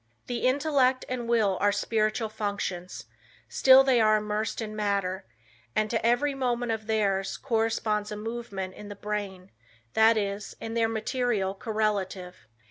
"The intellect and will are spiritual functions; still they are immersed in matter, and to every movement of theirs, corresponds a movement in the brain, that is, in their material correlative."